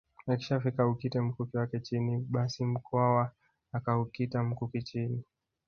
Akishafika aukite mkuki wake chini basi Mkwawa akaukita mkuki chini